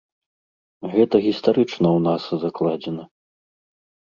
Гэта гістарычна ў нас закладзена.